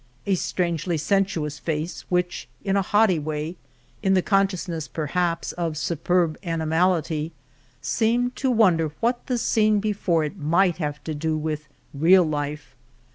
A strangely sensuous face which, in a haughty way, in the consciousness, per haps, of superb animality, seemed to wonder what the scene before it might have to do with real life.